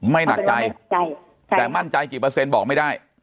ไม่หนักใจแต่มั่นใจกี่เปอร์เซ็นต์บอกไม่ได้